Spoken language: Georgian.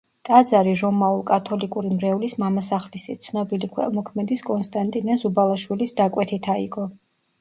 ტაძარი რომაულ-კათოლიკური მრევლის მამასახლისის, ცნობილი ქველმოქმედის კონსტანტინე ზუბალაშვილის დაკვეთით აიგო.